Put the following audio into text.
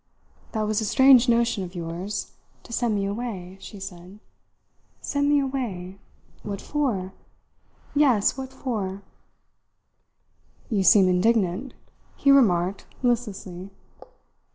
"That was a strange notion of yours, to send me away," she said. "Send me away? What for? Yes, what for?" "You seem indignant," he remarked listlessly.